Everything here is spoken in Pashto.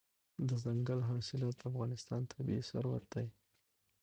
دځنګل حاصلات د افغانستان طبعي ثروت دی.